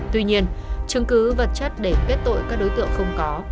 tuy nhiên chứng cứ vật chất để quyết tội các đối tượng không có